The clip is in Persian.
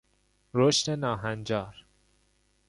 رشد ناهنجار